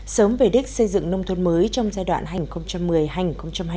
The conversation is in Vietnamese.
sớm về đích xây dựng nông thôn mới trong giai đoạn hành một mươi hành hai mươi